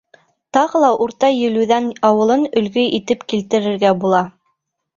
Тағы ла Урта Елүҙән ауылын өлгө итеп килтерергә була.